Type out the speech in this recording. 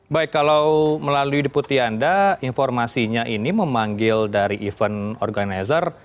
baik kalau melalui deputi anda informasinya ini memanggil dari event organizer